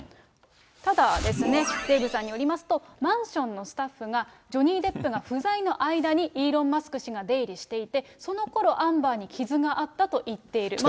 ただ、デーブさんによりますと、マンションのスタッフがジョニー・デップが不在の間に、イーロン・マスク氏が出入りしていて、そのころ、アンバーに傷があったと言っている。